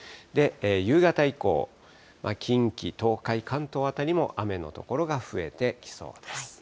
夕方以降、近畿、東海、関東辺りも雨の所が増えてきそうです。